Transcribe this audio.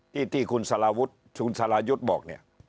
ที่คุณสาระยุทธ์บอก